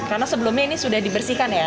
karena sebelumnya ini sudah dibersihkan ya